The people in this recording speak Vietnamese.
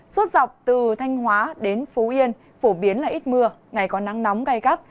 suốt dọc từ thanh hóa đến phú yên phổ biến là ít mưa ngày có nắng nóng gai gắt